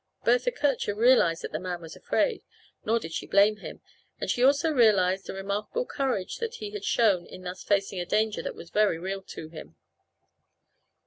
Bertha Kircher realized that the man was afraid nor did she blame him, and she also realized the remarkable courage that he had shown in thus facing a danger that was very real to him.